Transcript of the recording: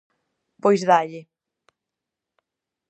Pois dálle.